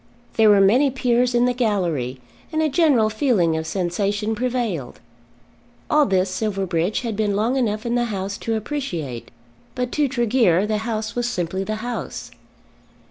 There were many Peers in the gallery, and a general feeling of sensation prevailed. All this Silverbridge had been long enough in the House to appreciate; but to Tregear the House was simply the House.